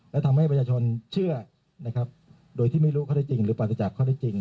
และทำให้ประชาชนเชื่อนะครับโดยที่ไม่รู้ข้อได้จริงหรือปราศจากข้อได้จริง